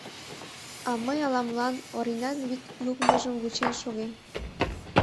А мый ала-молан Оринан вӱд лукмыжым вучен шогем.